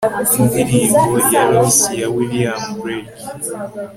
indirimbo ya los ya william blake